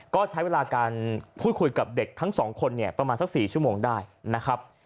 ก็ใช้เวลาการพูดคุยกับเด็กทั้งสองคนเนี่ยประมาณสัก๔ชั่วโมงได้นะครับ